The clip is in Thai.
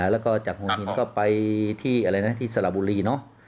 แล้วก็จากหัวหินก็ไปที่อะไรนะที่สระบุรีเนอะ